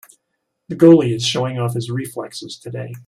The goalie is showing off his reflexes today.